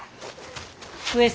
上様！